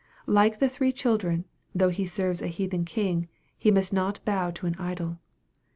Like the three children, though he serves a heathen king, he must not bow down to an idol.